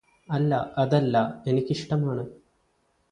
അല്ല അതല്ല എനിക്കിഷ്ടമാണ്